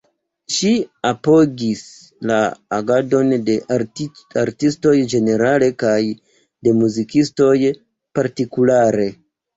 Ŝi apogis la agadon de artistoj ĝenerale kaj de muzikistoj partikulare.